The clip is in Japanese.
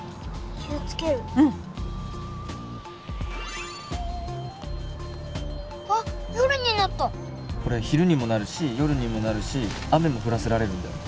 気をつけるうんあっ夜になったこれ昼にもなるし夜にもなるし雨も降らせられるんだよ